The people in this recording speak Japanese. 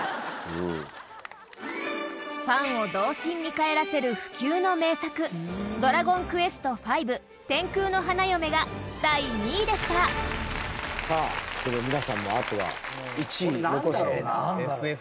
ファンを童心に帰らせる不朽の名作『ドラゴンクエストⅤ天空の花嫁』が第２位でした裕二：さあ、これで皆さんもあとは１位を残すのみ。